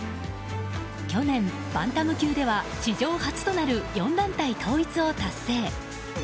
去年、バンタム級では史上初となる４団体統一を達成。